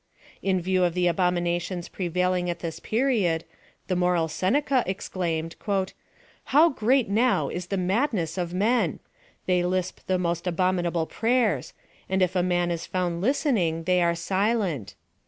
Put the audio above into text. In view of the abominations prevailing at this period, the moral Seneca exclaimed — ^^How great now is the mad ness of men ! They lisp the most abominabh^ prayers ; and if a man is found listening they are silent.